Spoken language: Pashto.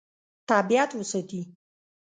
طبیعت وساتي.